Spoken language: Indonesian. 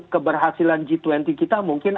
keberhasilan g dua puluh kita mungkin